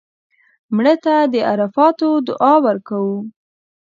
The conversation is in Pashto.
مړه ته د عرفاتو دعا ورکوو